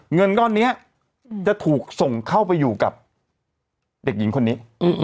เงินก้อนนี้จะถูกส่งเข้าไปอยู่กับเด็กหญิงคนนี้